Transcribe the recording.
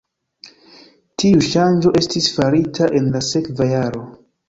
Tiu ŝanĝo estis farita en la sekva jaro.